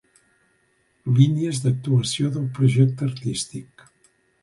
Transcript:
Línies d'actuació del projecte artístic.